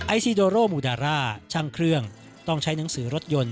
ซีโดโรมูดาร่าช่างเครื่องต้องใช้หนังสือรถยนต์